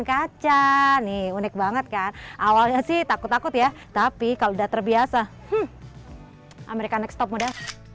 kaca nih unik banget kan awalnya sih takut takut ya tapi kalau udah terbiasa amerika next top muda